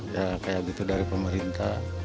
ya kayak gitu dari pemerintah